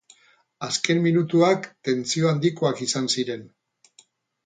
Azken minutuak tentsio handikoak izan ziren.